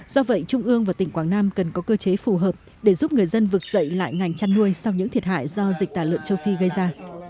do vậy trung ương và tỉnh quảng nam cần có cơ chế phù hợp để giúp người dân vực dậy lại ngành chăn nuôi sau những thiệt hại do dịch tả lợn châu phi gây ra